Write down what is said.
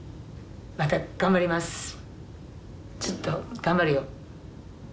またちょっと頑張るよ。